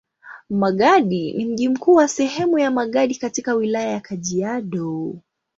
Magadi ni mji mkuu wa sehemu ya Magadi katika Wilaya ya Kajiado.